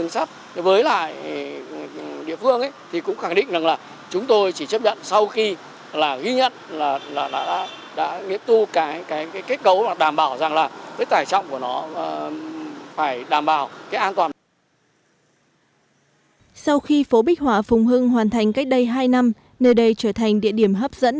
sau khi phố bích hỏa phụng hưng hoàn thành cách đây hai năm nơi đây trở thành địa điểm hấp dẫn